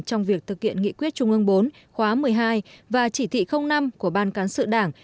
trong việc thực hiện nghị quyết trung ương bốn khóa một mươi hai và chỉ thị năm của ban cán sự đảng